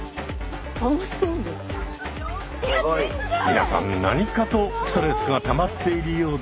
皆さん何かとストレスがたまっているようで。